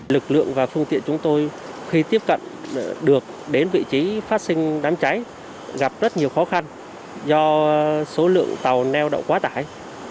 lực lượng và phương tiện chúng tôi khi tiếp cận được đến vị trí phát sinh đám cháy gặp rất nhiều khó khăn do số lượng tàu neo đậu quá tải